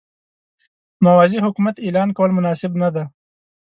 موازي حکومت اعلان کول مناسب نه دي.